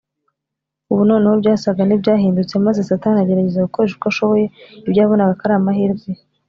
Ubu noneho byasaga n’ibyahindutse, maze Satani agerageza gukoresha uko ashoboye ibyo yabonaga ko ari amahirwe ye.